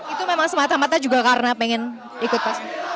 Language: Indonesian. itu memang semata mata juga karena pengen ikut pas